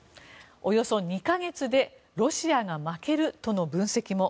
およそ２か月でロシアが負けるとの分析も。